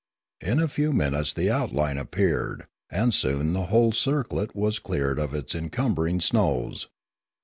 In a few minutes the outline ap peared, and soon the whole circlet was cleared of its encumbering snows.